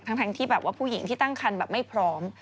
ทั้งที่แบบว่าผู้หญิงที่ตั้งคันแบบไม่พร้อม